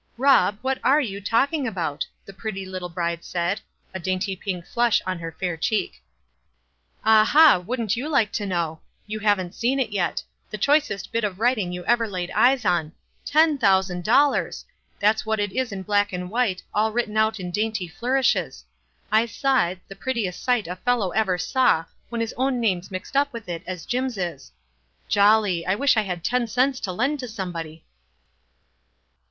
"Rob., what are you talking about?" tho pretty little bride said, a dainty pink flush in her fair cheek. "Ah, ha! Wouldn't you like to know? You haven't seen it yet — the choicest bit of writing you ever laid eyes on — ten thousand dollars! that's what it is in black and white, all written out in dainty flourishes. I saw it — the pretti est sight a fellow ever saw, when his own name's mixed np with it, as Jim's is. Jolly ! I wish I had ten cents to lend to somebody."